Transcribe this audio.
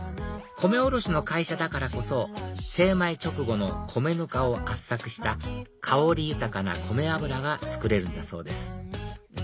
米卸の会社だからこそ精米直後の米ぬかを圧搾した香り豊かな米油が作れるんだそうです